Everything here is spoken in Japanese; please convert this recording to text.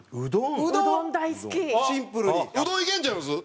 うどんいけるんちゃいます？